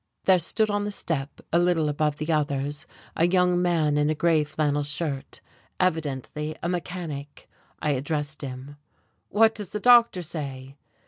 There stood on the step, a little above the others, a young man in a grey flannel shirt, evidently a mechanic. I addressed him. "What does the doctor say?"